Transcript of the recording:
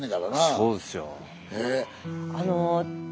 そうですよ。